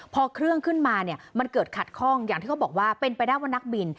พอเครื่องขึ้นมาเนี่ยมันเกิดขัดข้องอย่างที่เขาบอกว่าเป็นไปได้ว่านักบิน